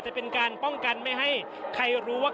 จะเป็นการป้องกันไม่ให้ใครรู้ว่า